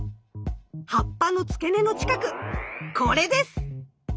葉っぱの付け根の近くこれです！